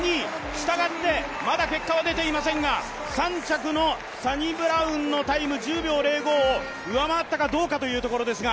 したがってまだ結果は出ていませんが３着のサニブラウンのタイム１０秒０５を上回ったかどうかというところですが。